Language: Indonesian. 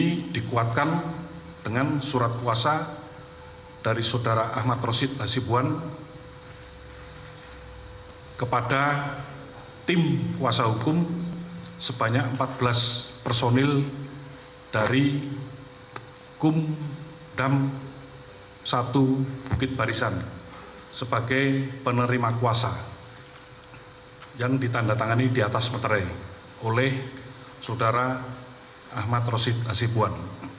saya membuatkan dengan surat kuasa dari saudara ahmad roshid hazibwan kepada tim kuasa hukum sebanyak empat belas personil dari kum dan satu bukit barisan sebagai penerima kuasa yang ditandatangani di atas meterai oleh saudara ahmad roshid hazibwan